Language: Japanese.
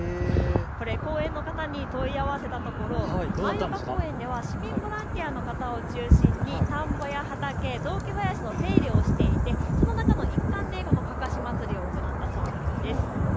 これ、公園の方に問い合わせたところ舞岡公園では市民ボランティアの方を中心に田んぼや畑、雑木林の手入れをしていて、その中の一環でこのかかし祭りを行ったそうなんです。